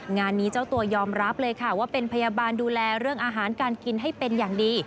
งานนี้เจ้าตัวยอมรับเลยค่ะว่าเป็นพยาบาลดูแลเรื่องอาหารการกินให้เป็นอย่างดี